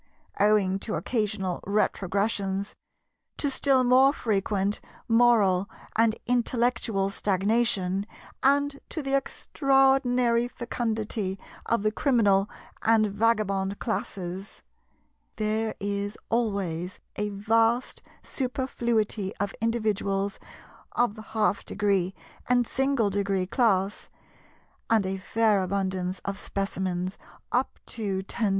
Owing to occasional retrogressions, to still more frequent moral and intellectual stagnation, and to the extraordinary fecundity of the Criminal and Vagabond classes, there is always a vast superfluity of individuals of the half degree and single degree class, and a fair abundance of Specimens up to 10°.